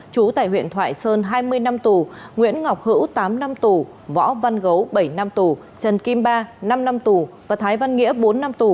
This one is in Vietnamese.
chú tại huyện thoại sơn hai mươi năm tù nguyễn ngọc hữu tám năm tù võ văn gấu bảy năm tù trần kim ba năm năm tù và thái văn nghĩa bốn năm tù